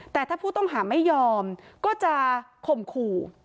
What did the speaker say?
แต่ถ้าผู้ต้องหาไม่ยอมก็จะข่มขู่